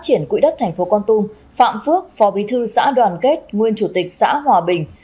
triển quỹ đất thành phố con tum phạm phước phò bí thư xã đoàn kết nguyên chủ tịch xã hòa bình